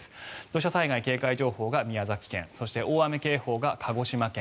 土砂災害警戒情報が宮崎県そして大雨警報が鹿児島県、